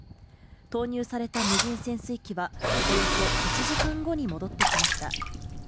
投入された無人潜水機はおよそ１時間後に戻ってきました。